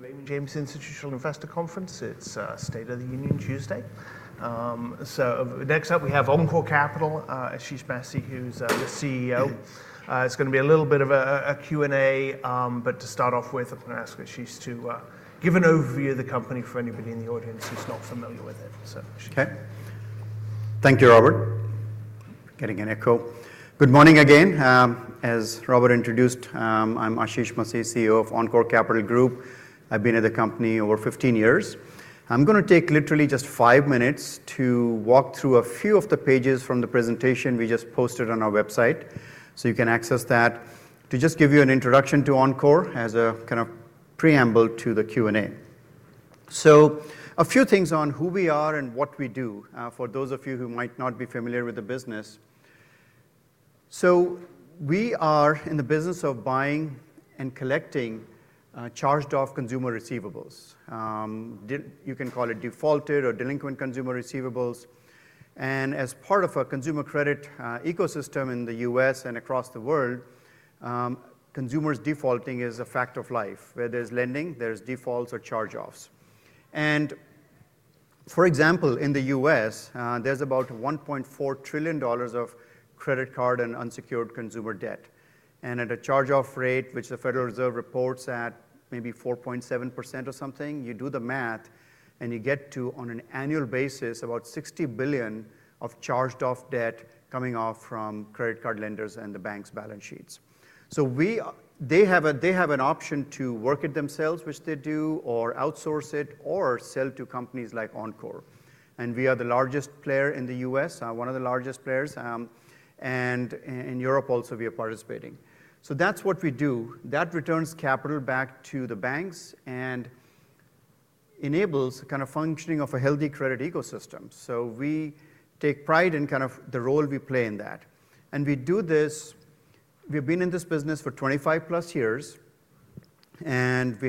The Raymond James Institutional Investor Conference. It's State of the Union Tuesday. Next up we have Encore Capital, Ashish Masih, who's the CEO. It's going to be a little bit of a Q&A, but to start off with, I'm going to ask Ashish to give an overview of the company for anybody in the audience who's not familiar with it. Okay. Thank you, Robert. Getting an echo. Good morning again. As Robert introduced, I'm Ashish Masih, CEO of Encore Capital Group. I've been at the company over 15 years. I'm going to take literally just five minutes to walk through a few of the pages from the presentation we just posted on our website, so you can access that, to just give you an introduction to Encore as a kind of preamble to the Q&A. A few things on who we are and what we do, for those of you who might not be familiar with the business. We are in the business of buying and collecting charged-off consumer receivables. You can call it defaulted or delinquent consumer receivables. As part of a consumer credit ecosystem in the U.S. and across the world, consumers defaulting is a fact of life. Where there's lending, there's defaults or charge-offs. For example, in the U.S., there's about $1.4 trillion of credit card and unsecured consumer debt. At a charge-off rate, which the Federal Reserve reports at maybe 4.7% or something, you do the math, and you get to, on an annual basis, about $60 billion of charged-off debt coming off from credit card lenders and the banks' balance sheets. They have an option to work it themselves, which they do, or outsource it, or sell to companies like Encore. We are the largest player in the U.S., one of the largest players. In Europe, also, we are participating. That's what we do. That returns capital back to the banks and enables the kind of functioning of a healthy credit ecosystem. We take pride in kind of the role we play in that. We do this, we have been in this business for 25-plus years. We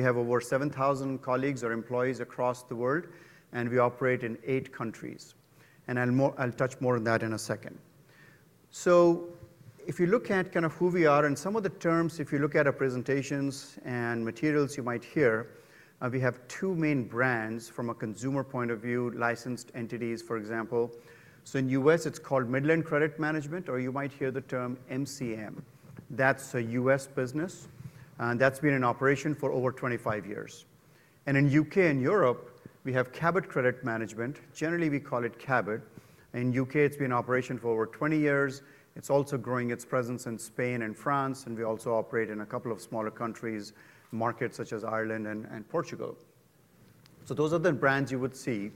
have over 7,000 colleagues or employees across the world. We operate in eight countries. I will touch more on that in a second. If you look at kind of who we are and some of the terms, if you look at our presentations and materials you might hear, we have two main brands from a consumer point of view, licensed entities, for example. In the U.S., it is called Midland Credit Management, or you might hear the term MCM. That is a U.S. business. That has been in operation for over 25 years. In the U.K. and Europe, we have Cabot Credit Management. Generally, we call it Cabot. In the U.K., it has been in operation for over 20 years. It is also growing its presence in Spain and France. We also operate in a couple of smaller countries, markets such as Ireland and Portugal. Those are the brands you would see.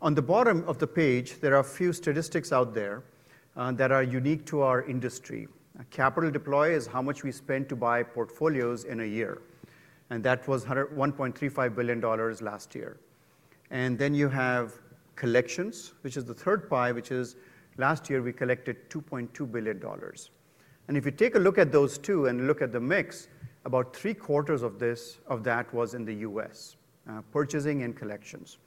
On the bottom of the page, there are a few statistics out there that are unique to our industry. Capital deploy is how much we spend to buy portfolios in a year, and that was $1.35 billion last year. Then you have collections, which is the third pie, which is last year we collected $2.2 billion. If you take a look at those two and look at the mix, about three-quarters of that was in the US, purchasing and collections.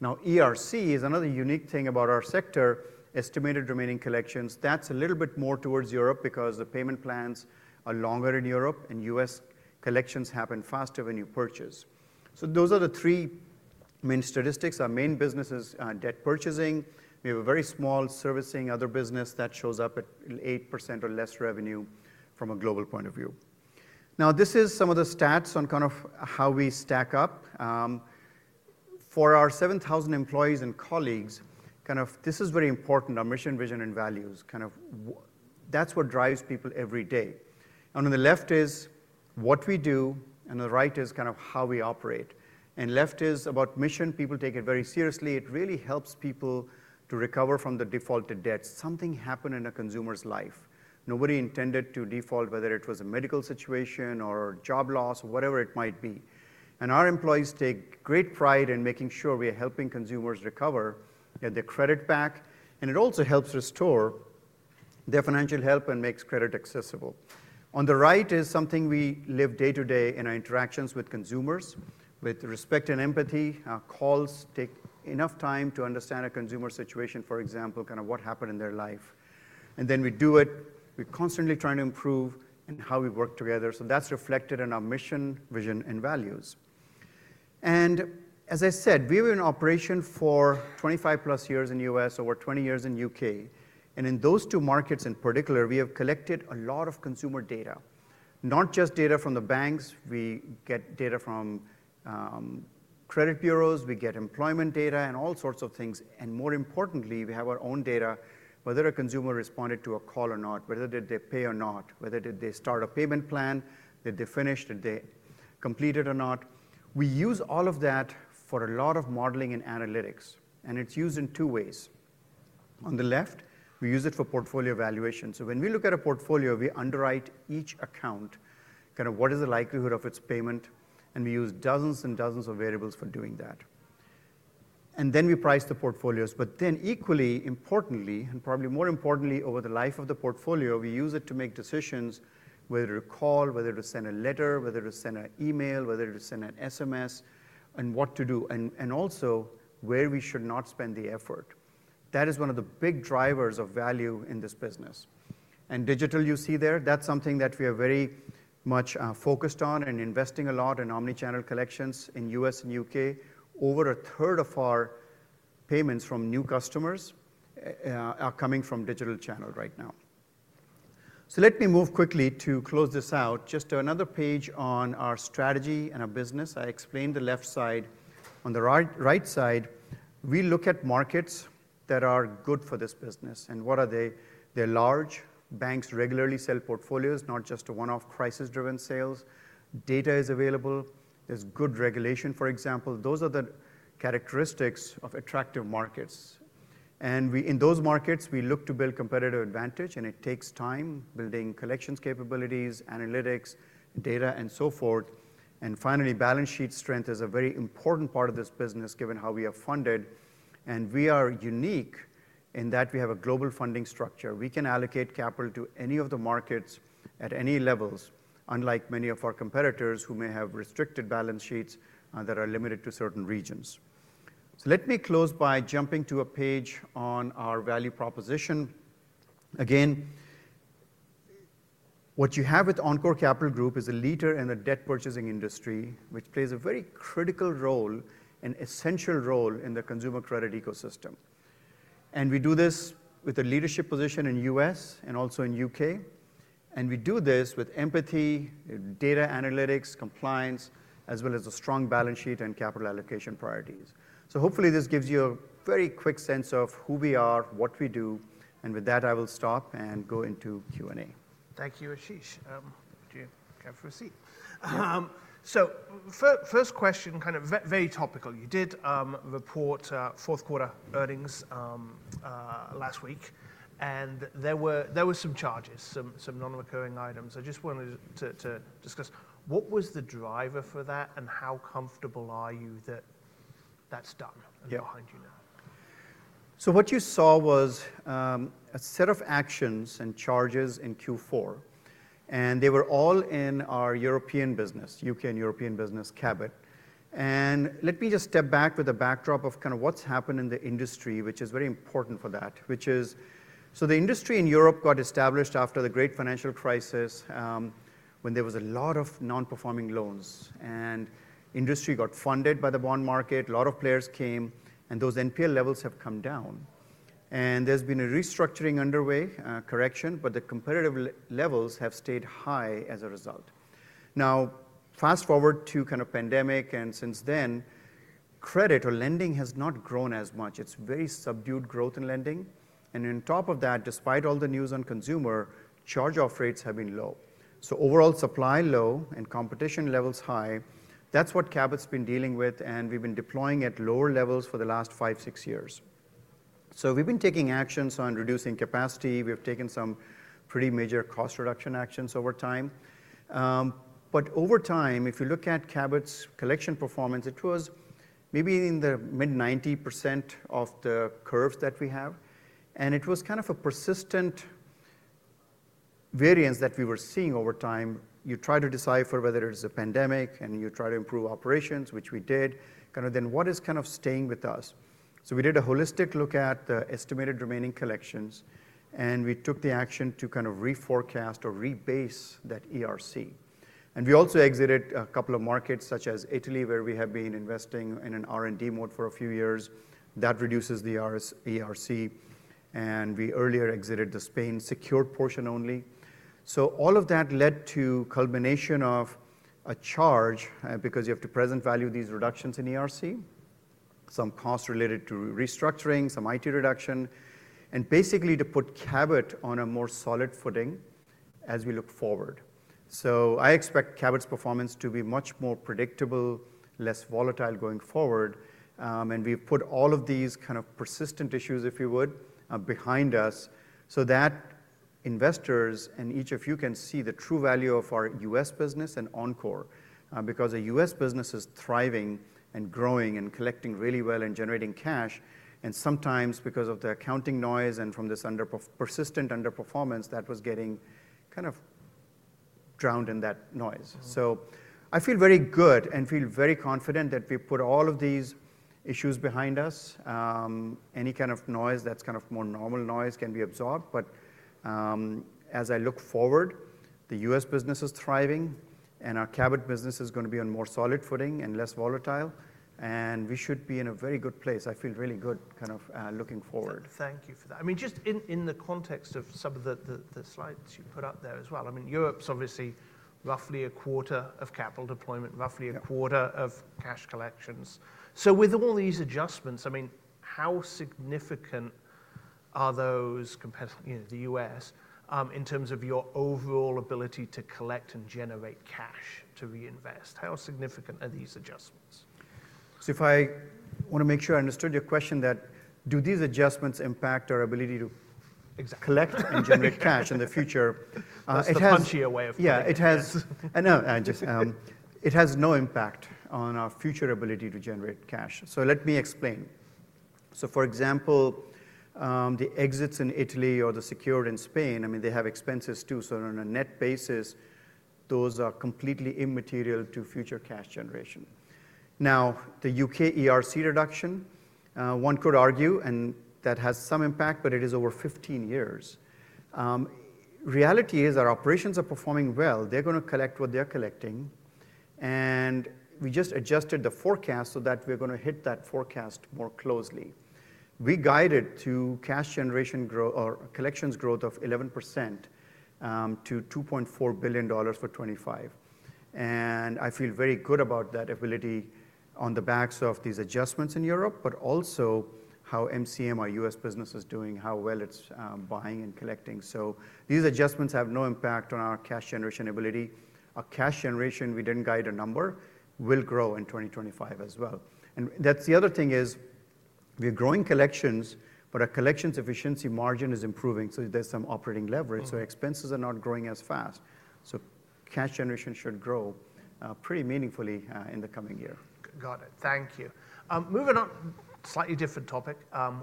Now, ERC is another unique thing about our sector, Estimated Remaining Collections. That is a little bit more towards Europe because the payment plans are longer in Europe. In the US, collections happen faster when you purchase. Those are the three main statistics. Our main business is debt purchasing. We have a very small servicing other business that shows up at 8% or less revenue from a global point of view. Now, this is some of the stats on kind of how we stack up. For our 7,000 employees and colleagues, kind of this is very important, our mission, vision, and values. Kind of that's what drives people every day. On the left is what we do. On the right is kind of how we operate. Left is about mission. People take it very seriously. It really helps people to recover from the defaulted debt. Something happened in a consumer's life. Nobody intended to default, whether it was a medical situation or job loss or whatever it might be. Our employees take great pride in making sure we are helping consumers recover and their credit back. It also helps restore their financial health and makes credit accessible. On the right is something we live day to day in our interactions with consumers, with respect and empathy. Our calls take enough time to understand a consumer's situation, for example, kind of what happened in their life. Then we do it. We're constantly trying to improve in how we work together. That is reflected in our mission, vision, and values. As I said, we were in operation for 25-plus years in the U.S., over 20 years in the UK. In those two markets in particular, we have collected a lot of consumer data, not just data from the banks. We get data from credit bureaus. We get employment data and all sorts of things. More importantly, we have our own data, whether a consumer responded to a call or not, whether they pay or not, whether they start a payment plan, did they finish, did they complete it or not. We use all of that for a lot of modeling and analytics. It is used in two ways. On the left, we use it for portfolio valuation. When we look at a portfolio, we underwrite each account, kind of what is the likelihood of its payment. We use dozens and dozens of variables for doing that. We price the portfolios. Equally importantly, and probably more importantly, over the life of the portfolio, we use it to make decisions, whether to call, whether to send a letter, whether to send an email, whether to send an SMS, and what to do, and also where we should not spend the effort. That is one of the big drivers of value in this business. Digital you see there, that's something that we are very much focused on and investing a lot in omnichannel collections in the U.S. and the U.K. Over a third of our payments from new customers are coming from digital channel right now. Let me move quickly to close this out. Just another page on our strategy and our business. I explained the left side. On the right side, we look at markets that are good for this business. What are they? They're large. Banks regularly sell portfolios, not just one-off crisis-driven sales. Data is available. There's good regulation, for example. Those are the characteristics of attractive markets. In those markets, we look to build competitive advantage. It takes time building collections capabilities, analytics, data, and so forth. Finally, balance sheet strength is a very important part of this business, given how we are funded. We are unique in that we have a global funding structure. We can allocate capital to any of the markets at any levels, unlike many of our competitors who may have restricted balance sheets that are limited to certain regions. Let me close by jumping to a page on our value proposition. Again, what you have with Encore Capital Group is a leader in the debt purchasing industry, which plays a very critical role and essential role in the consumer credit ecosystem. We do this with a leadership position in the U.S. and also in the U.K. We do this with empathy, data analytics, compliance, as well as a strong balance sheet and capital allocation priorities. Hopefully, this gives you a very quick sense of who we are, what we do. With that, I will stop and go into Q&A. Thank you, Ashish. Do you care for a seat? First question, kind of very topical. You did report fourth-quarter earnings last week. There were some charges, some non-recurring items. I just wanted to discuss, what was the driver for that? How comfortable are you that that's done behind you now? What you saw was a set of actions and charges in Q4. They were all in our European business, U.K. and European business, Cabot. Let me just step back with a backdrop of kind of what's happened in the industry, which is very important for that, which is the industry in Europe got established after the great financial crisis when there was a lot of non-performing loans. The industry got funded by the bond market. A lot of players came. Those NPL levels have come down. There has been a restructuring underway, correction, but the competitive levels have stayed high as a result. Now, fast forward to kind of pandemic. Since then, credit or lending has not grown as much. It's very subdued growth in lending. On top of that, despite all the news on consumer, charge-off rates have been low. Overall supply low and competition levels high. That's what Cabot's been dealing with. And we've been deploying at lower levels for the last five, six years. We've been taking actions on reducing capacity. We've taken some pretty major cost reduction actions over time. Over time, if you look at Cabot's collection performance, it was maybe in the mid-90% of the curves that we have. It was kind of a persistent variance that we were seeing over time. You try to decipher whether it's a pandemic, and you try to improve operations, which we did. Kind of then what is kind of staying with us? We did a holistic look at the Estimated Remaining Collections. We took the action to kind of reforecast or rebase that ERC. We also exited a couple of markets, such as Italy, where we have been investing in an R&D mode for a few years. That reduces the ERC. We earlier exited the Spain secured portion only. All of that led to a culmination of a charge, because you have to present value these reductions in ERC, some cost related to restructuring, some IT reduction, and basically to put Cabot on a more solid footing as we look forward. I expect Cabot's performance to be much more predictable, less volatile going forward. We have put all of these kind of persistent issues, if you would, behind us so that investors and each of you can see the true value of our U.S. business and Encore. Because a U.S. business is thriving and growing and collecting really well and generating cash. Sometimes, because of the accounting noise and from this persistent underperformance, that was getting kind of drowned in that noise. I feel very good and feel very confident that we put all of these issues behind us. Any kind of noise, that's kind of more normal noise, can be absorbed. As I look forward, the U.S. business is thriving. Our Cabot business is going to be on a more solid footing and less volatile. We should be in a very good place. I feel really good kind of looking forward. Thank you for that. I mean, just in the context of some of the slides you put up there as well, I mean, Europe's obviously roughly a quarter of capital deployment, roughly a quarter of cash collections. With all these adjustments, I mean, how significant are those compared to the U.S. in terms of your overall ability to collect and generate cash to reinvest? How significant are these adjustments? If I want to make sure I understood your question, that do these adjustments impact our ability to collect and generate cash in the future? It's a punchier way of putting it. Yeah, it has no impact on our future ability to generate cash. Let me explain. For example, the exits in Italy or the secured in Spain, I mean, they have expenses too. On a net basis, those are completely immaterial to future cash generation. Now, the U.K. ERC reduction, one could argue that has some impact, but it is over 15 years. Reality is our operations are performing well. They're going to collect what they're collecting. We just adjusted the forecast so that we're going to hit that forecast more closely. We guided to cash generation or collections growth of 11% to $2.4 billion for 2025. I feel very good about that ability on the backs of these adjustments in Europe, but also how MCM, our U.S. business, is doing, how well it's buying and collecting. These adjustments have no impact on our cash generation ability. Our cash generation, we did not guide a number, will grow in 2025 as well. That is the other thing, we are growing collections, but our collections efficiency margin is improving. There is some operating leverage. Expenses are not growing as fast. Cash generation should grow pretty meaningfully in the coming year. Got it. Thank you. Moving on, slightly different topic,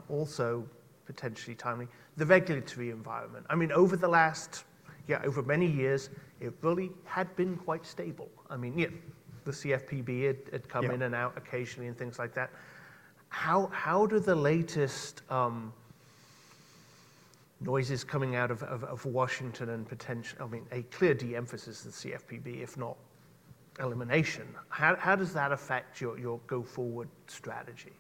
also potentially timely, the regulatory environment. I mean, over the last, yeah, over many years, it really had been quite stable. I mean, the CFPB had come in and out occasionally and things like that. How do the latest noises coming out of Washington and potential, I mean, a clear de-emphasis of the CFPB, if not elimination, how does that affect your go-forward strategy?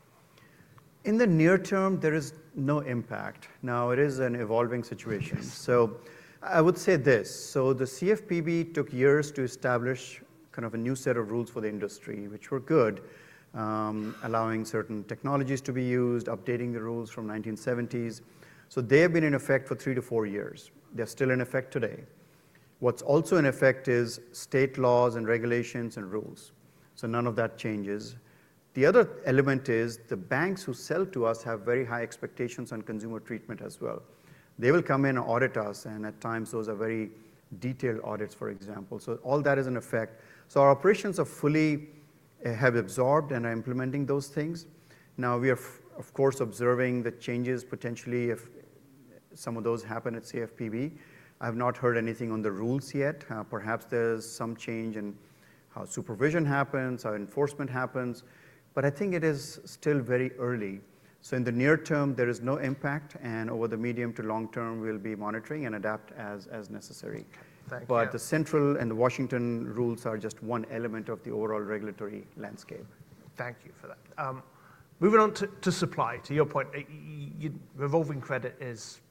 In the near term, there is no impact. Now, it is an evolving situation. I would say this. The CFPB took years to establish kind of a new set of rules for the industry, which were good, allowing certain technologies to be used, updating the rules from the 1970s. They have been in effect for three to four years. They're still in effect today. What's also in effect is state laws and regulations and rules. None of that changes. The other element is the banks who sell to us have very high expectations on consumer treatment as well. They will come in and audit us. At times, those are very detailed audits, for example. All that is in effect. Our operations are fully have absorbed and are implementing those things. Now, we are, of course, observing the changes potentially if some of those happen at CFPB. I have not heard anything on the rules yet. Perhaps there's some change in how supervision happens, how enforcement happens. I think it is still very early. In the near term, there is no impact. Over the medium to long term, we'll be monitoring and adapt as necessary. Thank you. The central and Washington rules are just one element of the overall regulatory landscape. Thank you for that. Moving on to supply. To your point, revolving credit is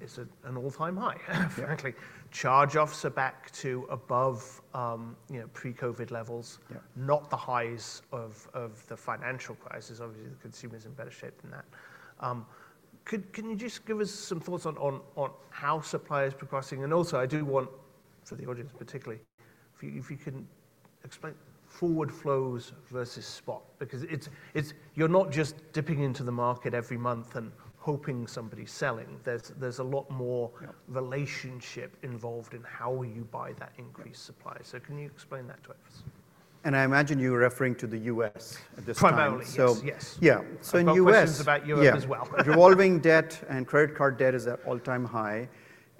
at an all-time high, frankly. Charge-offs are back to above pre-COVID levels, not the highs of the financial crisis. Obviously, the consumer is in better shape than that. Can you just give us some thoughts on how supply is progressing? I do want for the audience particularly, if you can explain forward flows versus spot, because you are not just dipping into the market every month and hoping somebody is selling. There is a lot more relationship involved in how you buy that increased supply. Can you explain that to us? I imagine you were referring to the U.S. at this point. Primarily, yes. Yeah. In the U.S. Questions about Europe as well. Revolving debt and credit card debt is at all-time high.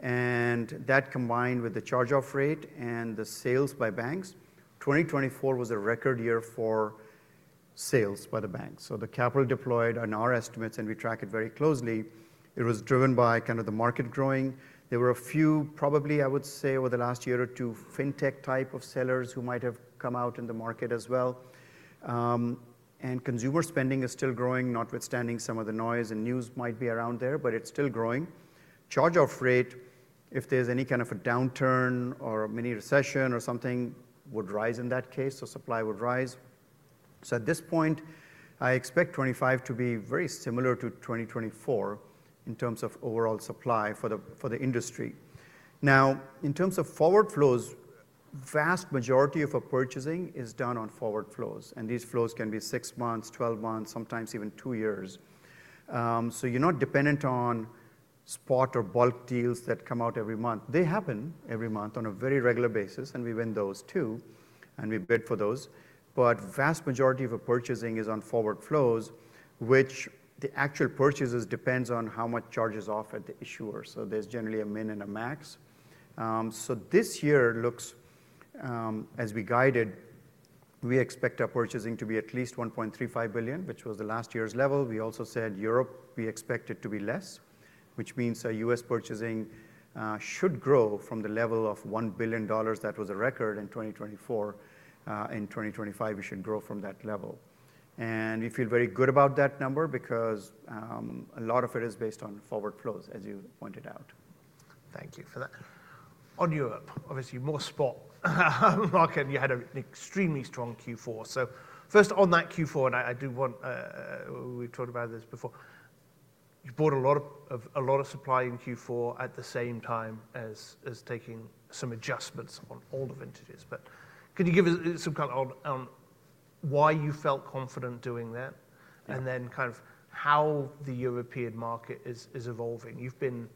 That combined with the charge-off rate and the sales by banks, 2024 was a record year for sales by the banks. The capital deployed on our estimates, and we track it very closely. It was driven by kind of the market growing. There were a few, probably, I would say, over the last year or two, fintech type of sellers who might have come out in the market as well. Consumer spending is still growing, notwithstanding some of the noise and news might be around there, but it's still growing. Charge-off rate, if there's any kind of a downturn or a mini recession or something, would rise in that case. Supply would rise. At this point, I expect 2025 to be very similar to 2024 in terms of overall supply for the industry. Now, in terms of forward flows, the vast majority of our purchasing is done on forward flows. These flows can be 6 months, 12 months, sometimes even 2 years. You are not dependent on spot or bulk deals that come out every month. They happen every month on a very regular basis. We win those too. We bid for those. The vast majority of our purchasing is on forward flows, which the actual purchases depend on how much charge is offered to the issuer. There is generally a min and a max. This year looks, as we guided, we expect our purchasing to be at least $1.35 billion, which was last year's level. We also said Europe, we expect it to be less, which means our U.S. purchasing should grow from the level of $1 billion that was a record in 2024. In 2025, we should grow from that level. We feel very good about that number because a lot of it is based on forward flows, as you pointed out. Thank you for that. On Europe, obviously, more spot market. You had an extremely strong Q4. First, on that Q4, and I do want we've talked about this before, you bought a lot of supply in Q4 at the same time as taking some adjustments on all the vintages. Can you give us some kind of on why you felt confident doing that, and then kind of how the European market is evolving? You've been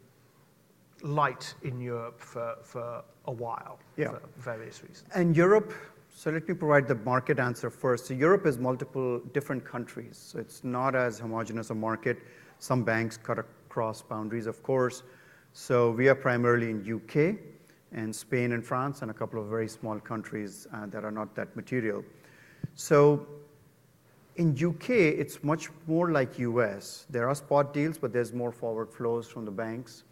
light in Europe for a while for various reasons. Europe, let me provide the market answer first. Europe is multiple different countries. It is not as homogenous a market. Some banks cut across boundaries, of course. We are primarily in the U.K. and Spain and France and a couple of very small countries that are not that material. In the U.K., it is much more like the U.S. There are spot deals, but there is more forward flows from the banks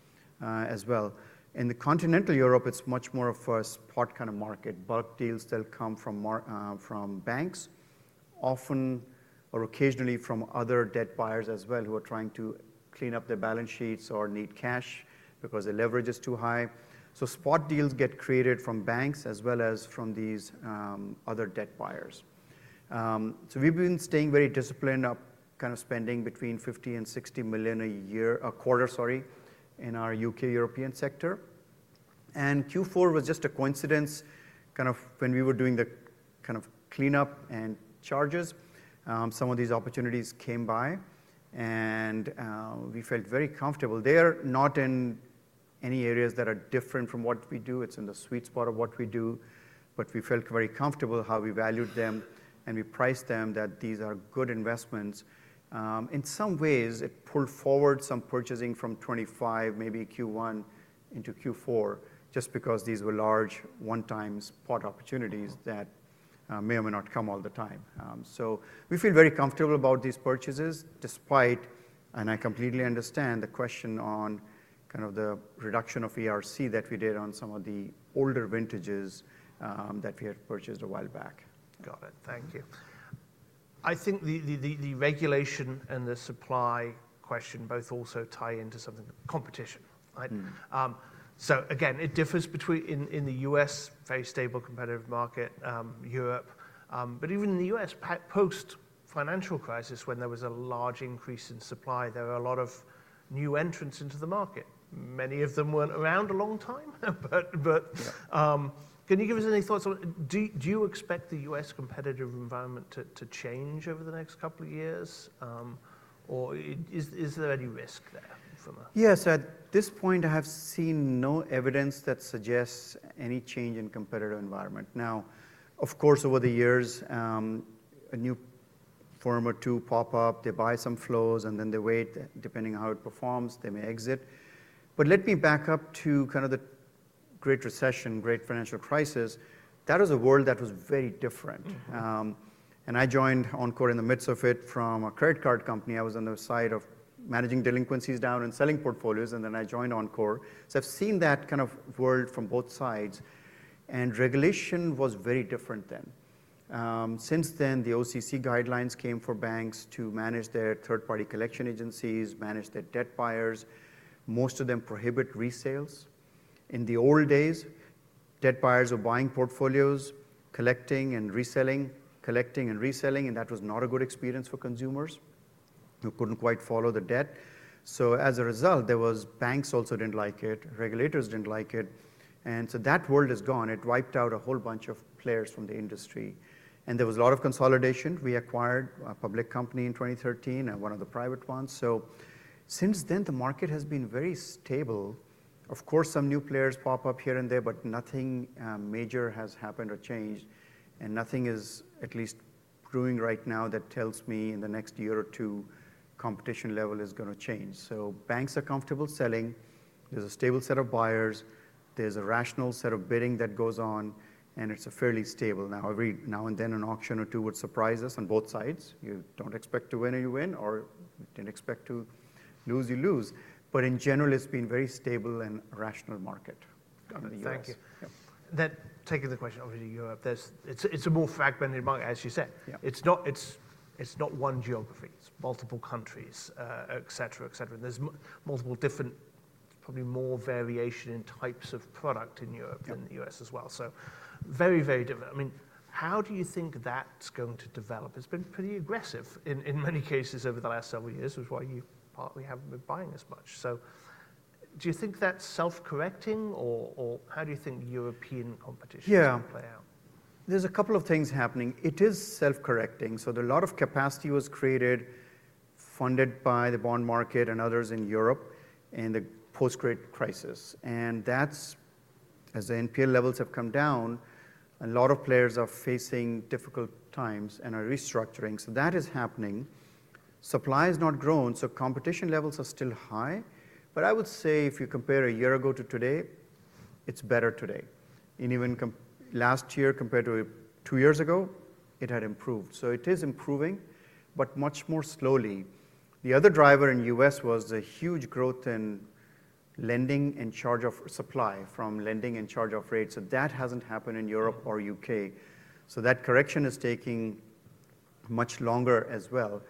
as well. In continental Europe, it is much more of a spot kind of market. Bulk deals, they will come from banks, often or occasionally from other debt buyers as well who are trying to clean up their balance sheets or need cash because the leverage is too high. Spot deals get created from banks as well as from these other debt buyers. We have been staying very disciplined on kind of spending between $50 million and $60 million a year, a quarter, sorry, in our U.K. European sector. Q4 was just a coincidence kind of when we were doing the kind of cleanup and charges, some of these opportunities came by. We felt very comfortable. They are not in any areas that are different from what we do. It is in the sweet spot of what we do. We felt very comfortable how we valued them and we priced them that these are good investments. In some ways, it pulled forward some purchasing from 2025, maybe Q1 into Q4, just because these were large one-time spot opportunities that may or may not come all the time. We feel very comfortable about these purchases despite, and I completely understand the question on kind of the reduction of ERC that we did on some of the older vintages that we had purchased a while back. Got it. Thank you. I think the regulation and the supply question both also tie into something competition, right? It differs between in the U.S., very stable competitive market, Europe. Even in the U.S., post-financial crisis, when there was a large increase in supply, there were a lot of new entrants into the market. Many of them were not around a long time. Can you give us any thoughts on, do you expect the U.S. competitive environment to change over the next couple of years? Is there any risk there from a? Yes. At this point, I have seen no evidence that suggests any change in competitive environment. Now, of course, over the years, a new firm or two pop up, they buy some flows, and then they wait. Depending on how it performs, they may exit. Let me back up to kind of the Great Recession, Great Financial Crisis. That was a world that was very different. I joined Encore in the midst of it from a credit card company. I was on the side of managing delinquencies down and selling portfolios. I joined Encore. I have seen that kind of world from both sides. Regulation was very different then. Since then, the OCC guidelines came for banks to manage their third-party collection agencies, manage their debt buyers. Most of them prohibit resales. In the old days, debt buyers were buying portfolios, collecting and reselling, collecting and reselling. That was not a good experience for consumers who couldn't quite follow the debt. As a result, banks also didn't like it. Regulators didn't like it. That world is gone. It wiped out a whole bunch of players from the industry. There was a lot of consolidation. We acquired a public company in 2013 and one of the private ones. Since then, the market has been very stable. Of course, some new players pop up here and there, but nothing major has happened or changed. Nothing is at least brewing right now that tells me in the next year or two, competition level is going to change. Banks are comfortable selling. There's a stable set of buyers. There's a rational set of bidding that goes on. It's fairly stable. Every now and then, an auction or two would surprise us on both sides. You don't expect to win, or you win. If you didn't expect to lose, you lose. In general, it's been a very stable and rational market in the U.S. Thank you. Taking the question, obviously, Europe, it's a more fragmented market, as you said. It's not one geography. It's multiple countries, et cetera, et cetera. There's multiple different, probably more variation in types of product in Europe than the U.S. as well. Very, very different. I mean, how do you think that's going to develop? It's been pretty aggressive in many cases over the last several years, which is why you partly haven't been buying as much. Do you think that's self-correcting? How do you think European competition is going to play out? Yeah. There's a couple of things happening. It is self-correcting. A lot of capacity was created funded by the bond market and others in Europe in the post-Great Crisis. That's, as the NPL levels have come down, a lot of players are facing difficult times and are restructuring. That is happening. Supply has not grown. Competition levels are still high. I would say if you compare a year ago to today, it's better today. Even last year compared to two years ago, it had improved. It is improving, but much more slowly. The other driver in the U.S. was a huge growth in lending and charge-off supply from lending and charge-off rates. That hasn't happened in Europe or the U.K. That correction is taking much longer as well.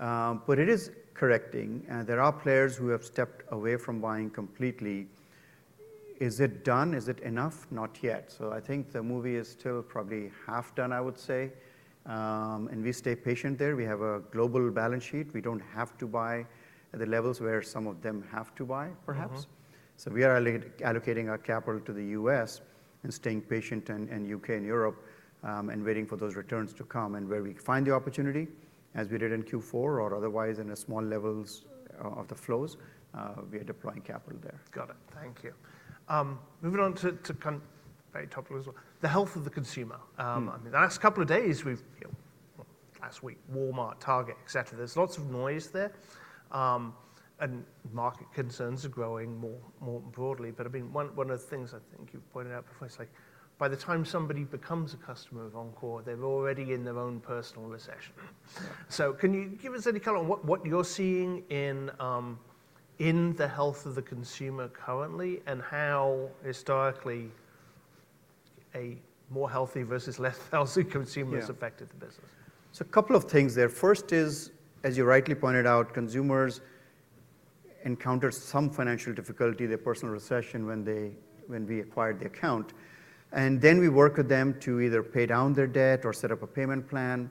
It is correcting. There are players who have stepped away from buying completely. Is it done? Is it enough? Not yet. I think the movie is still probably half done, I would say. We stay patient there. We have a global balance sheet. We do not have to buy at the levels where some of them have to buy, perhaps. We are allocating our capital to the U.S. and staying patient in the U.K. and Europe and waiting for those returns to come. Where we find the opportunity, as we did in Q4 or otherwise in the small levels of the flows, we are deploying capital there. Got it. Thank you. Moving on to kind of very topical as well, the health of the consumer. I mean, the last couple of days, we've last week, Walmart, Target, et cetera. There's lots of noise there. Market concerns are growing more broadly. I mean, one of the things I think you've pointed out before, it's like by the time somebody becomes a customer of Encore, they're already in their own personal recession. Can you give us any color on what you're seeing in the health of the consumer currently and how historically a more healthy versus less healthy consumer has affected the business? A couple of things there. First is, as you rightly pointed out, consumers encountered some financial difficulty, their personal recession when we acquired the account. Then we work with them to either pay down their debt or set up a payment plan.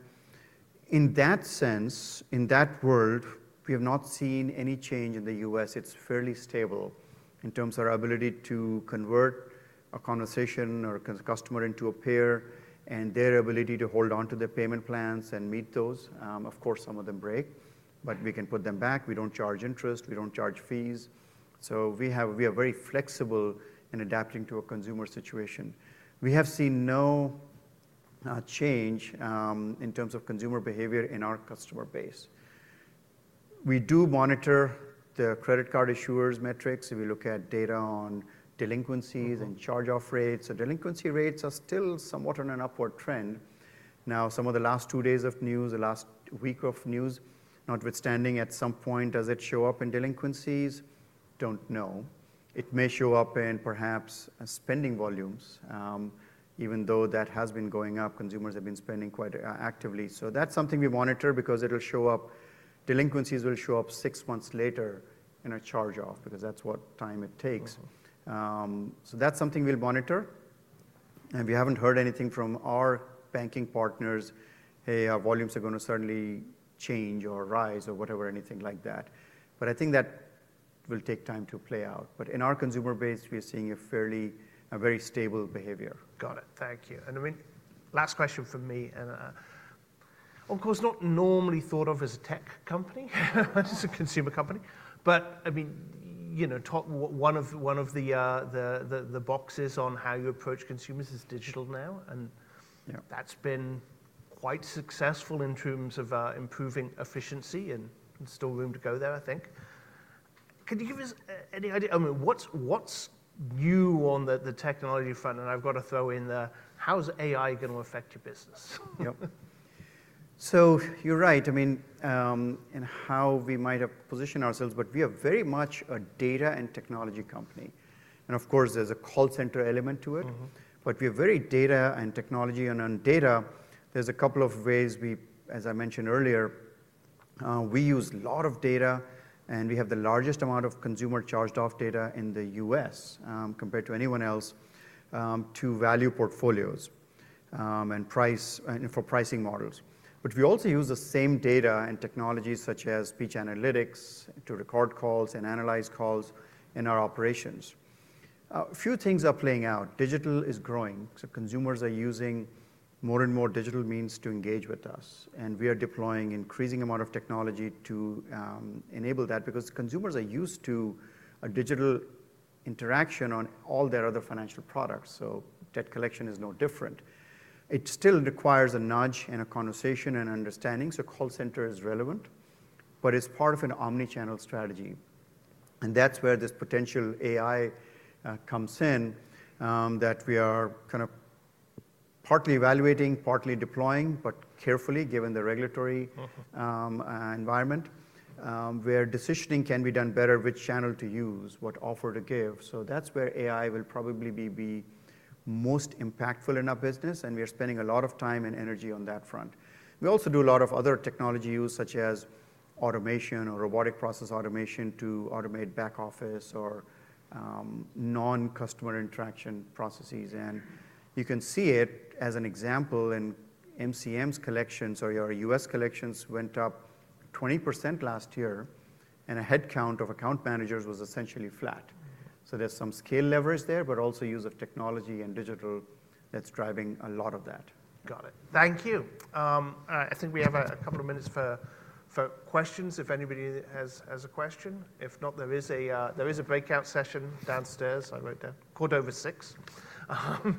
In that sense, in that world, we have not seen any change in the U.S. It's fairly stable in terms of our ability to convert a conversation or a customer into a payer and their ability to hold on to their payment plans and meet those. Of course, some of them break. We can put them back. We don't charge interest. We don't charge fees. We are very flexible in adapting to a consumer situation. We have seen no change in terms of consumer behavior in our customer base. We do monitor the credit card issuers' metrics. We look at data on delinquencies and charge-off rates. Delinquency rates are still somewhat on an upward trend. Now, some of the last two days of news, the last week of news, notwithstanding, at some point, does it show up in delinquencies? Don't know. It may show up in perhaps spending volumes, even though that has been going up. Consumers have been spending quite actively. That's something we monitor because it'll show up. Delinquencies will show up six months later in a charge-off because that's what time it takes. That's something we'll monitor. We haven't heard anything from our banking partners. Hey, our volumes are going to suddenly change or rise or whatever, anything like that. I think that will take time to play out. In our consumer base, we are seeing a fairly, a very stable behavior. Got it. Thank you. I mean, last question for me. Of course, not normally thought of as a tech company, just a consumer company. I mean, one of the boxes on how you approach consumers is digital now. That's been quite successful in terms of improving efficiency. There's still room to go there, I think. Can you give us any idea? I mean, what's new on the technology front? I've got to throw in there, how is AI going to affect your business? Yep. You're right. I mean, how we might have positioned ourselves, we are very much a data and technology company. Of course, there's a call center element to it. We are very data and technology. On data, there's a couple of ways we, as I mentioned earlier, we use a lot of data. We have the largest amount of consumer charged-off data in the US compared to anyone else to value portfolios and price for pricing models. We also use the same data and technologies such as speech analytics to record calls and analyze calls in our operations. A few things are playing out. Digital is growing. Consumers are using more and more digital means to engage with us. We are deploying an increasing amount of technology to enable that because consumers are used to a digital interaction on all their other financial products. Debt collection is no different. It still requires a nudge and a conversation and understanding. Call center is relevant. It is part of an omnichannel strategy. That is where this potential AI comes in that we are kind of partly evaluating, partly deploying, but carefully given the regulatory environment where decisioning can be done better, which channel to use, what offer to give. That is where AI will probably be most impactful in our business. We are spending a lot of time and energy on that front. We also do a lot of other technology use such as automation or robotic process automation to automate back office or non-customer interaction processes. You can see it as an example in MCM's collections or your U.S. collections went up 20% last year. A headcount of account managers was essentially flat. There is some scale leverage there, but also use of technology and digital that is driving a lot of that. Got it. Thank you. I think we have a couple of minutes for questions if anybody has a question. If not, there is a breakout session downstairs. I wrote down, quarter over six.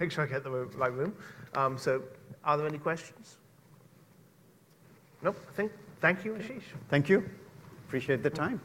Make sure I get the right room. Are there any questions? Nope. I think. Thank you, Ashish. Thank you. Appreciate the time.